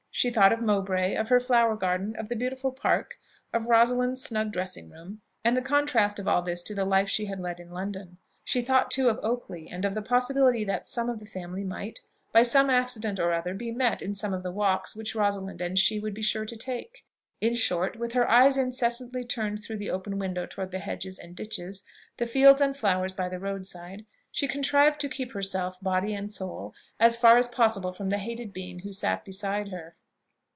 She thought of Mowbray, of her flower garden, of the beautiful Park, of Rosalind's snug dressing room, and the contrast of all this to the life she had led in London. She thought too of Oakley, and of the possibility that some of the family might, by some accident or other, be met in some of the walks which Rosalind and she would be sure to take. In short, with her eyes incessantly turned through the open window towards the hedges and ditches, the fields and the flowers by the road side, she contrived to keep herself, body and soul, as far as possible from the hated being who sat beside her.